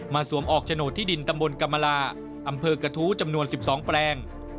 สวมออกโฉนดที่ดินตำบลกรรมลาอำเภอกระทู้จำนวน๑๒แปลง